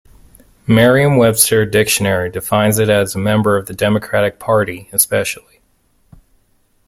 Merriam-Webster Dictionary defines it as a member of the Democratic party esp.